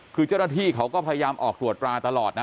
คือเจ้าหน้าที่เขาก็พยายามออกตรวจตราตลอดนะ